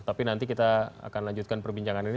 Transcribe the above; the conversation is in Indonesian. tapi nanti kita akan lanjutkan perbincangan ini